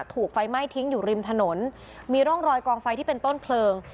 ถูกไฟไหม้ทิ้งอยู่ริมถนนมีร่องรอยกองไฟที่เป็นต้นเพลิง